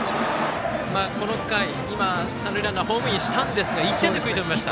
この回、三塁ランナーホームインしたんですが１点で食い止めました。